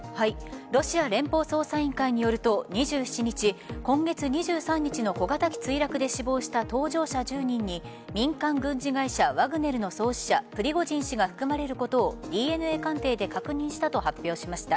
ロシア連邦捜査委員会によると２７日、今月２３日の小型機墜落で死亡した搭乗者１０人に民間軍事会社・ワグネルの創始者・プリゴジン氏が含まれることをＤＮＡ鑑定で確認したと発表しました。